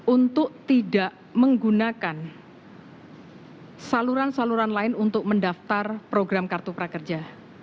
untuk tidak menggunakan saluran saluran lain untuk mendaftar program kartu prakerja